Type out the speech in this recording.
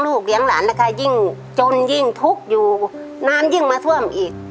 เลี้ยงหลานนะคะยิ่งจนยิ่งทุกข์อยู่น้ำยิ่งมาท่วมอีก